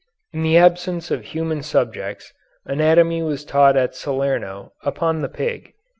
In the absence of human subjects, anatomy was taught at Salerno upon the pig.